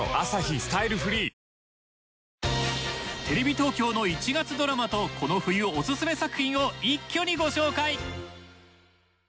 テレビ東京の１月ドラマとこの冬おすすめ作品を一挙にご紹介！